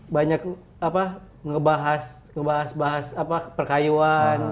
banyak ngebahas perkayuan